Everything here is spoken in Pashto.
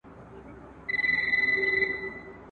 زه له عزراییل څخه سل ځله تښتېدلی یم `